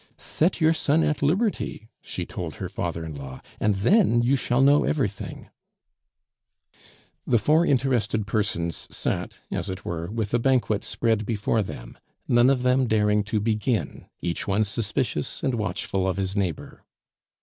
"Set your son at liberty," she told her father in law, "and then you shall know everything." The four interested persons sat, as it were, with a banquet spread before them, none of them daring to begin, each one suspicious and watchful of his neighbor.